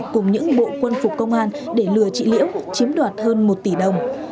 cùng những bộ quân phục công an để lừa chị liễu chiếm đoạt hơn một tỷ đồng